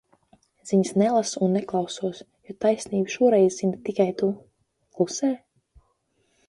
Ziņas nelasu un neklausos, jo taisnību šoreiz zini tikai tu. Klusē?